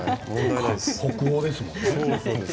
北欧ですもんね。